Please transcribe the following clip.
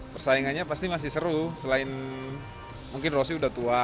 persaingannya pasti masih seru selain mungkin rosi sudah tua